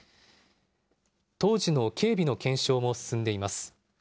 当時の警備の検証も進んでいます。